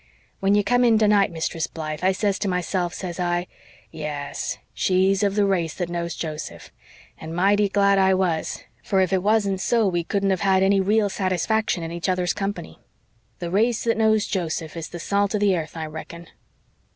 When you come in tonight, Mistress Blythe, I says to myself, says I, 'Yes, she's of the race that knows Joseph.' And mighty glad I was, for if it wasn't so we couldn't have had any real satisfaction in each other's company. The race that knows Joseph is the salt of the airth, I reckon."